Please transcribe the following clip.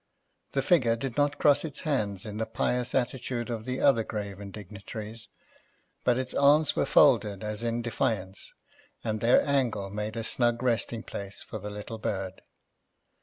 The figure did not cross its hands in the pious attitude of the other graven dignitaries, but its arms were folded as in defiance and their angle made a snug resting place for the little bird.